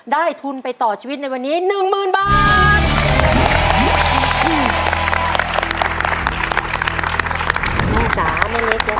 ทุนไปต่อชีวิตในวันนี้๑๐๐๐บาท